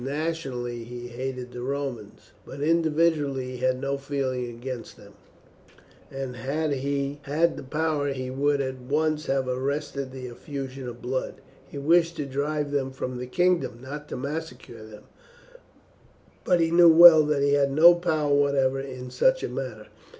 Nationally he hated the Romans, but individually he had no feeling against them, and had he had the power he would at once have arrested the effusion of blood. He wished to drive them from the kingdom, not to massacre them; but he knew well that he had no power whatever in such a matter.